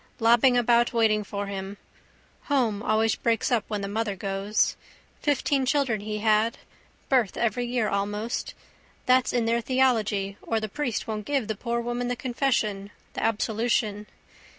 Lobbing about waiting for him. Home always breaks up when the mother goes. Fifteen children he had. Birth every year almost. That's in their theology or the priest won't give the poor woman the confession, the absolution.